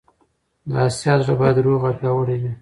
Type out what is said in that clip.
د اسیا زړه باید روغ او پیاوړی وي.